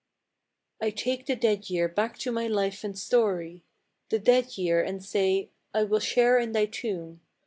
I take the dead year back to my life and story, The dead year, and say, " I will share in thy tomb.